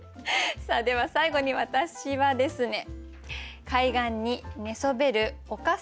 では最後に私はですね。